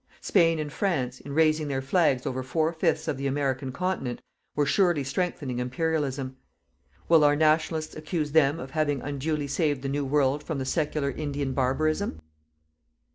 Spain and France, in raising their flags over four fifths of the American continent, were surely strengthening Imperialism. Will our "Nationalists" accuse them of having unduly saved the New World from the secular Indian barbarism?